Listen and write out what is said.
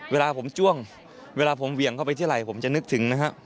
เวลาผมจ้วงเวลาผมเหวี่ยงเข้าไปที่ไหล่ผมจะนึกถึงนะฮะ